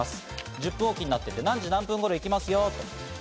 １０分おきになってて、何時何分頃に行きますよと。